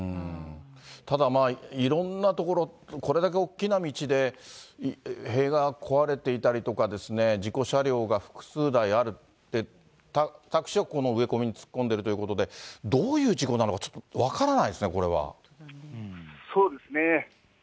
ただいろんな所、これだけ大きな道で、塀が壊れていたりとかですね、事故車両が複数台ある、タクシーはこの植え込みに突っ込んでるということで、どういう事故なのか、ちょっと分からないですね、これそうですね。